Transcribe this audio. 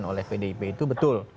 oleh pdip itu betul